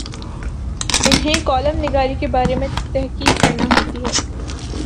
انہیں کالم نگاری کے بارے میں تحقیق کرنا ہوتی ہے۔